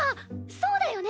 そうだよね。